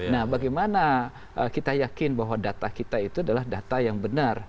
nah bagaimana kita yakin bahwa data kita itu adalah data yang benar